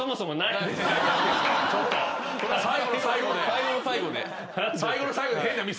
最後の最後で。